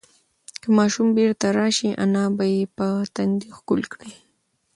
که ماشوم بیرته راشي، انا به یې په تندي ښکل کړي.